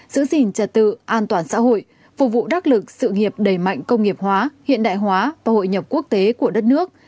giữ gìn trật tự an toàn xã hội phục vụ đắc lực sự nghiệp đẩy mạnh công nghiệp hóa hiện đại hóa và hội nhập quốc tế của đất nước